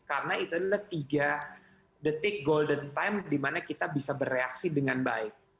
karena itu adalah tiga detik golden time di mana kita bisa bereaksi dengan baik